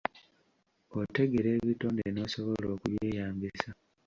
Otegeera ebitonde n'osobola okubyeyambisa.